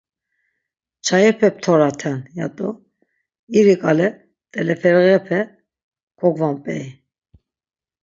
Çayepe ptoraten, ya do iri ǩale t̆eleferiğepe kogvonbey.